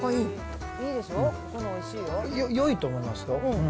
よいと思いますよ。